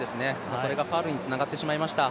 それがファウルにつながってしまいました。